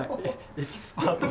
エキスパート。